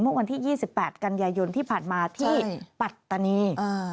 เมื่อวันที่๒๘กันยายนที่ผ่านมาที่ปัตตานี